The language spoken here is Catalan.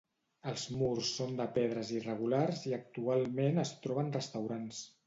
Els murs són de pedres irregulars i actualment es troben restaurants.